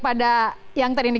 pada yang terindikasi